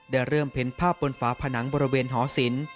ได้เริ่มเพลินภาพบนฟ้าผนังบริเวณหอสิน